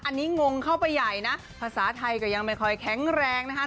อันนี้งงเข้าไปใหญ่นะภาษาไทยก็ยังไม่ค่อยแข็งแรงนะคะ